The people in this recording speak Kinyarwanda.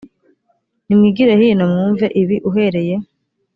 nimwigire hino mwumve ibi uhereye